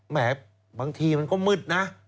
แหมบางทีมันก็มืดนะ